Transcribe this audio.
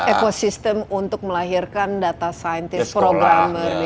ekosistem untuk melahirkan data saintis programmer recorder